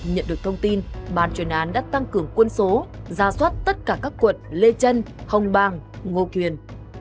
nhận được thông tin ban truyền án đã tăng cường quân số ra soát tất cả các quận lê trân hồng bàng ngô quyền